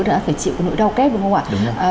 đã phải chịu cái nỗi đau kép đúng không ạ